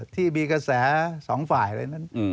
ที่มีกระแสสองฝ่ายอะไรนั้น